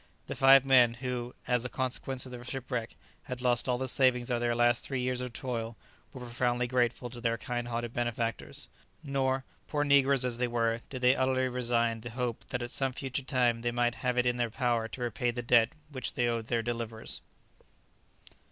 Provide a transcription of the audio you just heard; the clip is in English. The five men, who, as the consequence of the shipwreck, had lost all the savings of their last three years of toil, were profoundly grateful to their kind hearted benefactors; nor, poor negroes as they were, did they utterly resign the hope that at some future time they might have it in their power to repay the debt which they owed their deliverers.